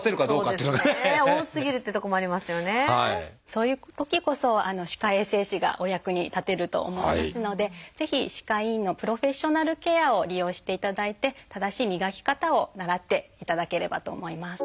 そういうときこそ歯科衛生士がお役に立てると思いますのでぜひ歯科医院のプロフェッショナルケアを利用していただいて正しい磨き方を習っていただければと思います。